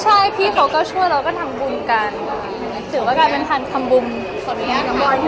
ใช่พี่เขาก้ช่วยเราก็ทำบุญกันก็ถือว่าเป็นพันค์ทำบุญ